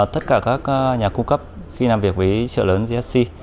tất cả các nhà cung cấp khi làm việc với trợ lớn gsc